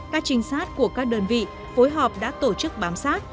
các trinh sát của các đơn vị phối hợp đã tổ chức bám sát